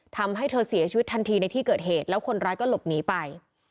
ทำให้เธอเสียชีวิตทันทีในที่เกิดเหตุแล้วคนร้ายก็หลบหนีไป